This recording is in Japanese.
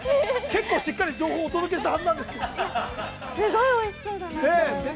◆結構しっかり情報をお届けしたはずなんですけど。